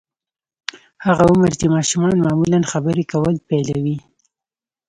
هغه عمر چې ماشومان معمولاً خبرې کول پيلوي.